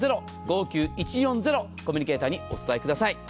コミュニケーターにお伝えください。